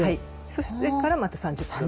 そうしてからまた３０分。